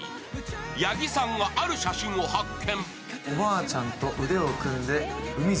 八木さんが、ある写真を発見。